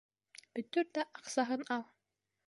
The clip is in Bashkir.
Бөтөр ҙә аҡсаһын ал.